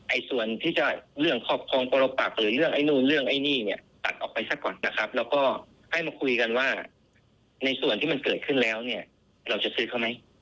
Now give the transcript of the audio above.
ส่วนที่จะเรื่องครอบครองปรปักหรือเรื่องไอ้นู่นเรื่องไอ้นี่เนี่ยตัดออกไปซะก่อนนะครับแล้วก็ให้มาคุยกันว่าในส่วนที่มันเกิดขึ้นแล้วเนี่ยเราจะซื้อเขาไหม